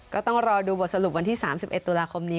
ก็ต้องรอดูบทสรุปวันที่๓๑ตุลาคมนี้